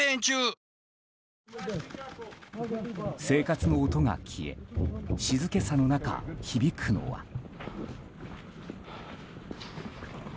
生活の音が消え静けさの中、響くのは。